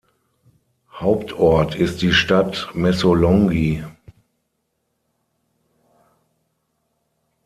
Hauptort ist die Stadt Messolongi.